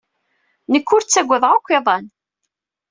Nekk ur ttagadeɣ akk iḍan.